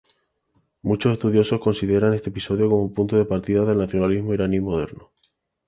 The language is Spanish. Muchos estudiosos consideran este episodio como punto de partida del nacionalismo iraní moderno.